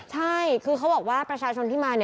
ใช่คือเขาบอกว่าประชาชนที่มา